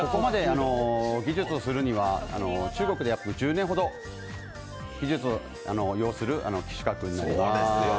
ここまで技術をするには中国で１０年ほどの技術を要する資格になります。